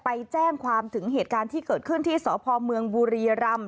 ไปแจ้งความถึงเหตุการณ์ที่เกิดขึ้นที่สพเมืองบุรีรำ